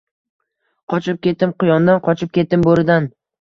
Qochib ketdim quyondan, qochib ketdim bo’ridan